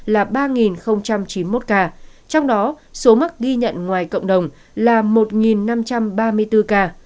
là ba chín mươi một ca trong đó số mắc ghi nhận ngoài cộng đồng là một năm trăm ba mươi bốn ca